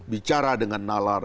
bicara dengan nalar